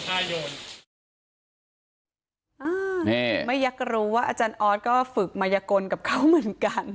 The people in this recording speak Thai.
อ้ายังไม่ยังจะรู้ว่าอออธก็ฝึกมายกรกับเขาเหมือนกัน